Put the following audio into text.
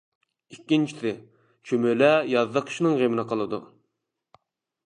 ئىككىنچىسى: چۈمۈلە يازدا قىشنىڭ غېمىنى قىلىدۇ.